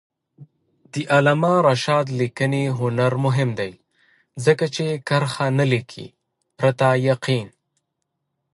د علامه رشاد لیکنی هنر مهم دی ځکه چې کرښه نه لیکي پرته یقین.